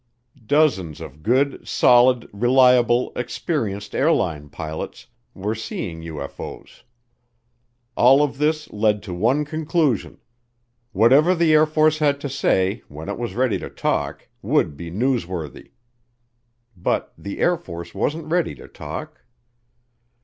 Dozens of good, solid, reliable, experienced airline pilots were seeing UFO's. All of this led to one conclusion: whatever the Air Force had to say, when it was ready to talk, would be newsworthy. But the Air Force wasn't ready to talk.